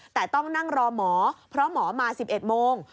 แต่ต้องนั่งรอหมอเพราะหมอมา๑๑โมง